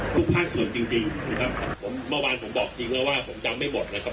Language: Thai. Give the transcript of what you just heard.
ภาคส่วนจริงจริงนะครับผมเมื่อวานผมบอกจริงแล้วว่าผมจำไม่หมดนะครับ